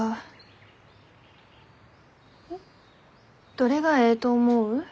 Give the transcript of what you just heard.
どれがえいと思う？